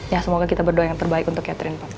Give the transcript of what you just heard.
ya semoga kita berdoa yang terbaik untuk catherine pak